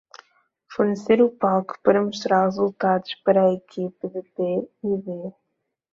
Fornecer o palco para mostrar resultados para a equipe de P & D